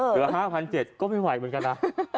เหลือ๕๗๐๐ก็ไม่ไหวเหมือนกันนะ